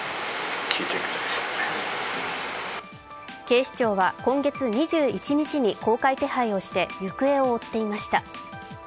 警視庁は今月２１日に公開手配をして行方を追っていました。